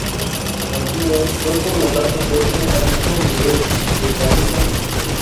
Antínoo fue, por lo tanto, puesto al mismo nivel que Ganímedes.